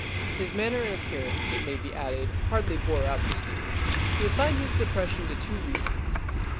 His manner and appearance, it may be added, hardly bore out the statement. He assigned his depression to two reasons.